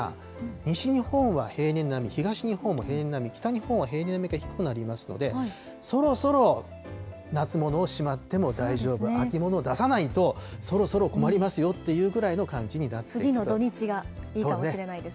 西日本は平年並み、東日本も平年並み、北日本は平年並みか低くなりますので、そろそろ夏物をしまっても大丈夫、秋物を出さないと、そろそろ困りますよっていうぐらいの感じになってきそうです。